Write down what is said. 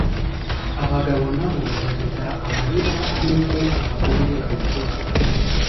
Abagabo nabo barira amarira nkuko abagore babikora